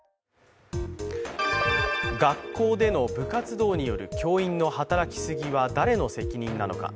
学校での部活動による教員の働きすぎは誰の責任なのか。